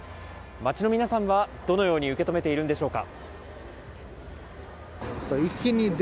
街の皆さんはどのように受け止めているんでしょうか。